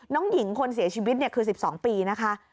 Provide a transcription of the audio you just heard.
น้องหญิงคนเสียชีวิตคือ๑๒ปีนะคะ